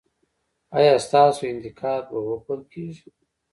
ایا ستاسو انتقاد به وپل کیږي؟